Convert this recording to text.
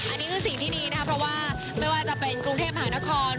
อันนี้คือสิ่งที่ดีนะเพราะว่าไม่ว่าจะเป็นประเทศกรุงเทพภานะคร